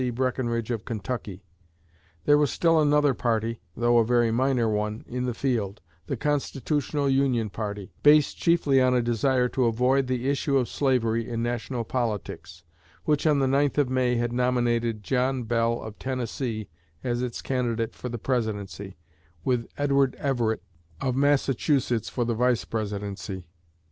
Breckenridge of Kentucky. There was still another party, though a very minor one, in the field the "Constitutional Union Party," based chiefly on a desire to avoid the issue of slavery in national politics which on the 9th of May had nominated John Bell of Tennessee as its candidate for the Presidency, with Edward Everett of Massachusetts for the Vice Presidency.